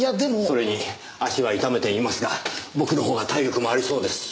それに足は痛めていますが僕のほうが体力もありそうですし。